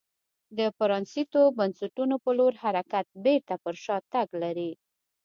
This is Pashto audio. د پرانیستو بنسټونو په لور حرکت بېرته پر شا تګ لري.